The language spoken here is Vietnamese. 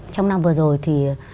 trong năm vừa rồi